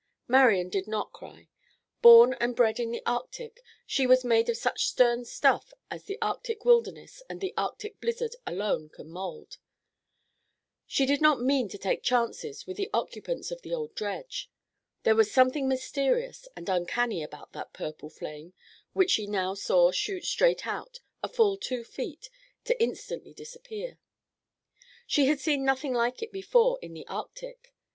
Marian did not cry. Born and bred in the Arctic, she was made of such stern stuff as the Arctic wilderness and the Arctic blizzard alone can mould. She did not mean to take chances with the occupants of the old dredge. There was something mysterious and uncanny about that purple flame which she now saw shoot straight out, a full two feet, to instantly disappear. She had seen nothing like it before in the Arctic.